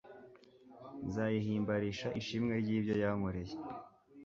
nzayihimbarisha ishimwe ry'ibyo yankoreye